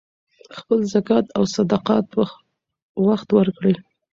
خپل زکات او صدقات په وخت ورکړئ.